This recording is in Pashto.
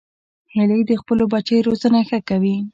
هیلۍ د خپلو بچو روزنه ښه کوي